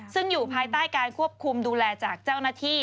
ซึ่งอยู่ภายใต้การควบคุมดูแลจากเจ้าหน้าที่